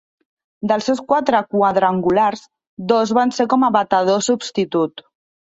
Dels seus quatre quadrangulars, dos van ser com a batedor substitut.